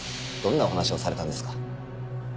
どんなお話をされたんですか？